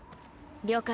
了解。